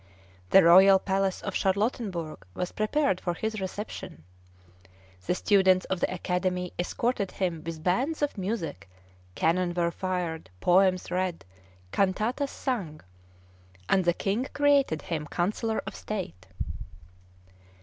The Royal Palace of Charlottenburg was prepared for his reception The students of the Academy escorted him with bands of music, cannon were fired, poems read, cantatas sung; and the King created him councillor of state.